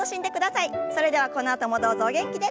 それではこのあともどうぞお元気で。